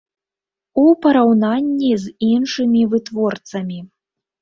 У параўнанні з іншымі вытворцамі.